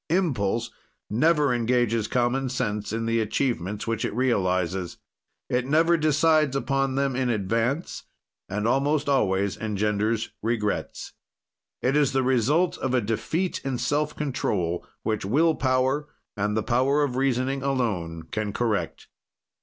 Impulse never engages common sense in the achievements which it realizes. It never decides upon them in advance, and almost always engenders regrets. It is the result of a defeat in self control, which will power and the power of reasoning alone can correct.